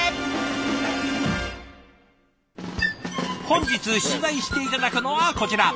本日出題して頂くのはこちら。